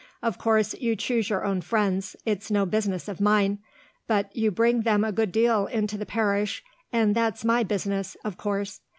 Of course you choose your own friends; it's no business of mine. But you bring them a good deal into the parish, and that's my business, of course.